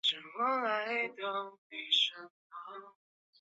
莱斯图尔雷莱。